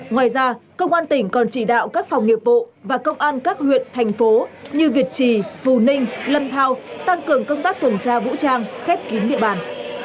ngoài ra công an tỉnh còn chỉ đạo các phòng nghiệp vụ và công an các huyện thành phố như việt trì phù ninh lâm thao tăng cường công tác tuần tra vũ trang khép kín địa bàn